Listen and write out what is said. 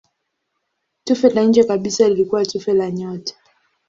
Tufe la nje kabisa lilikuwa tufe la nyota.